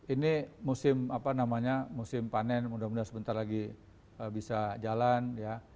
ini musim apa namanya musim panen mudah mudahan sebentar lagi bisa jalan ya